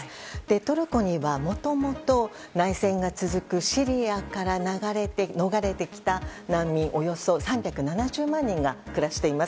トルコにはもともと内戦が続くシリアから逃れてきた難民およそ３７０万人が暮らしています。